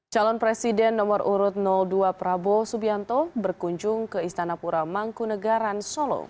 calon presiden nomor urut dua prabowo subianto berkunjung ke istana pura mangkunagaran solo